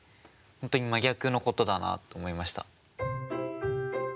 本当に真逆のことだなと思いました。